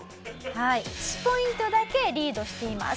１ポイントだけリードしています。